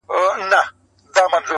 وس پردی وو د خانانو ملکانو٫